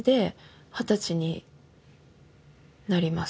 「２０歳になります」